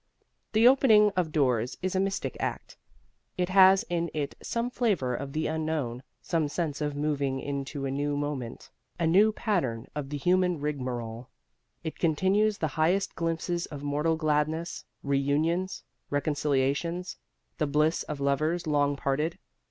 The opening of doors is a mystic act: it has in it some flavor of the unknown, some sense of moving into a new moment, a new pattern of the human rigmarole. It includes the highest glimpses of mortal gladness: reunions, reconciliations, the bliss of lovers long parted.